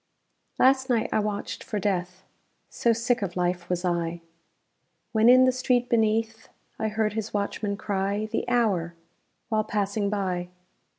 Last night I watched for Death So sick of life was I! When in the street beneath I heard his watchman cry The hour, while passing by.